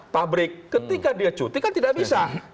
pabrik ketika dia cuti kan tidak bisa